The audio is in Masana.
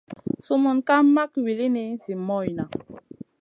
Sumun ka mak wulini zi moyna.